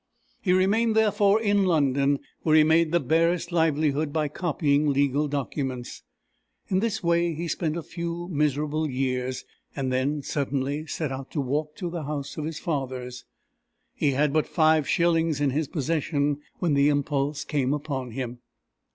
He remained therefore in London, where he made the barest livelihood by copying legal documents. In this way he spent a few miserable years, and then suddenly set out to walk to the house of his fathers. He had but five shillings in his possession when the impulse came upon him.